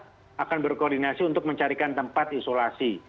kita akan berkoordinasi untuk mencarikan tempat isolasi